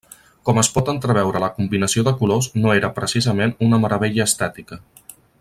Com es pot entreveure la combinació de colors no era precisament una meravella estètica.